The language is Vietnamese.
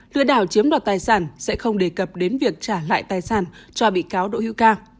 lừa đảo chiếm đoạt tài sản sẽ không đề cập đến việc trả lại tài sản cho bị cáo đỗ hữu ca